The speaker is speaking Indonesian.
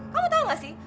kamu tahu nggak sih